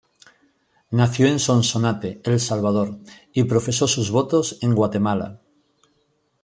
Nació en Sonsonate, El Salvador y profesó sus votos en Guatemala.